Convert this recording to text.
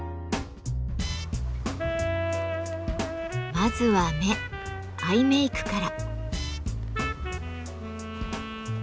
まずは目アイメークから。